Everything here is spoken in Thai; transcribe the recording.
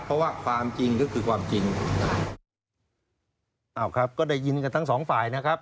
เพราะว่าความจริงก็คือความจริงอ้าวครับก็ได้ยินกันทั้งสองฝ่ายนะครับ